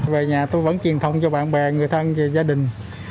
về nhà tôi vẫn truyền thông cho bạn bè người thân và gia đình